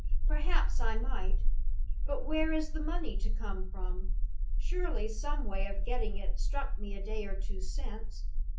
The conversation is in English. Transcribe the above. "Perhaps I might. But where is the money to come from? Surely some way of getting it struck me a day or two since?